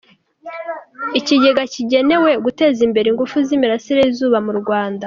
Ikigega kigenewe Guteza Imbere Ingufu z’Imirasire y’Izuba mu Rwanda.